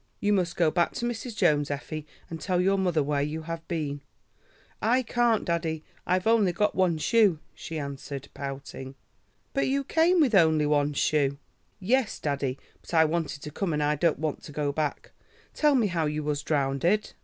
"You must go back to Mrs. Jones, Effie, and tell your mother where you have been." "I can't, daddie, I've only got one shoe," she answered, pouting. "But you came with only one shoe." "Yes, daddie, but I wanted to come and I don't want to go back. Tell me how you was drownded."